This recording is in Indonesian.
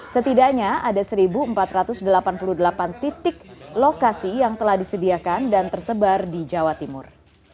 setidaknya ada satu empat ratus delapan puluh delapan titik lokasi yang telah disediakan dan tersebar di jawa timur